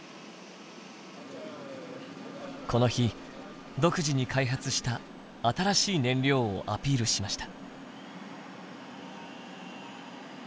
この日独自に開発した新しい燃料をアピールしました。